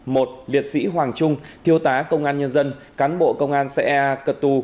một liệt sĩ hoàng trung thiêu tá công an nhân dân cán bộ công an xã cật tù